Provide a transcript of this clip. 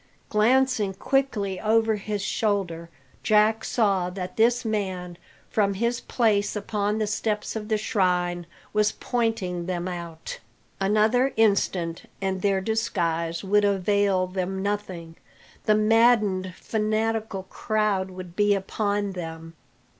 Glancing quickly over his shoulder, Jack saw that this man, from his place upon the steps of the shrine, was pointing them out. Another instant, and their disguise would avail them nothing; the maddened, fanatical crowd would be upon them.